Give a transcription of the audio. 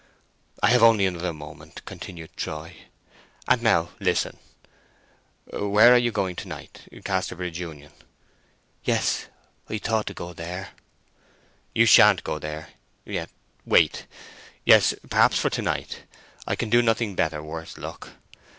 "I have only another moment," continued Troy; "and now listen. Where are you going to night? Casterbridge Union?" "Yes; I thought to go there." "You shan't go there; yet, wait. Yes, perhaps for to night; I can do nothing better—worse luck!